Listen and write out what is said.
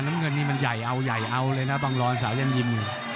น้องเงินนี่มันใหญ่เอาเลยนะบังรวรณ์สาย่ำยิ่ม